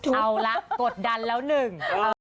เอาละกดดันแล้วหนึ่ง